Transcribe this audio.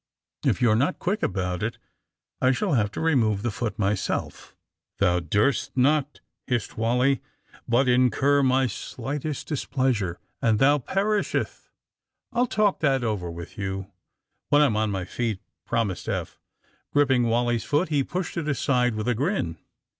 If you are not quick about it I shall have to re move the foot myself." *^Thou durst not!" hissed Wally. ^^ But in cur my slightest displeasure, and thou perish eth!" I'll talk that over with you when I am on my feet," promised Eph. Gripping Wally 's foot he pushed it aside with a grin.